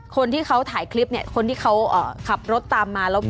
คนที่เขาถ่ายคลิปเนี่ยคนที่เขาขับรถตามมาแล้ว